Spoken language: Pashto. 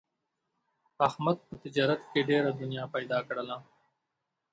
احمد په تجارت کې ډېره دنیا پیدا کړله.